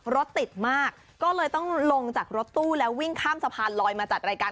รถติดมากก็เลยต้องลงจากรถตู้แล้ววิ่งข้ามสะพานลอยมาจัดรายการ